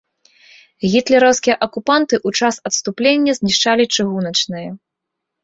Гітлераўскія акупанты ў час адступлення знішчалі чыгуначнае.